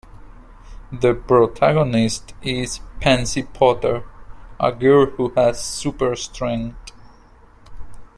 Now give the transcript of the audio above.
The protagonist is Pansy Potter, a girl who has super strength.